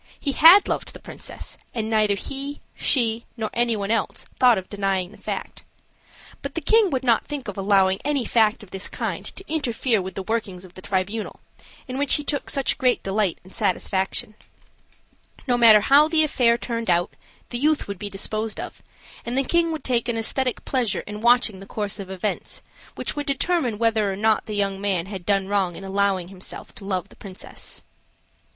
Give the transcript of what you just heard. He had loved the princess, and neither he, she, nor any one else, thought of denying the fact; but the king would not think of allowing any fact of this kind to interfere with the workings of the tribunal, in which he took such great delight and satisfaction. No matter how the affair turned out, the youth would be disposed of, and the king would take an aesthetic pleasure in watching the course of events, which would determine whether or not the young man had done wrong in allowing himself to love the princess.